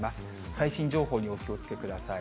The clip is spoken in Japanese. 最新情報にお気をつけください。